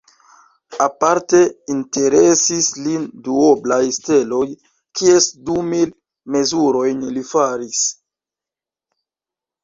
Aparte interesis lin duoblaj steloj, kies du mil mezurojn li faris.